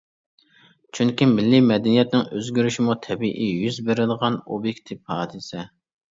چۈنكى مىللىي مەدەنىيەتنىڭ ئۆزگىرىشىمۇ تەبىئىي يۈز بېرىدىغان ئوبيېكتىپ ھادىسە.